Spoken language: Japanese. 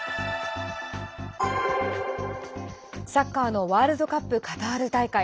サッカーのワールドカップカタール大会。